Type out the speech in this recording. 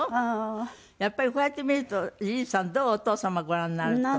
やっぱりこうやって見るとリズさんどう？お父様ご覧になると。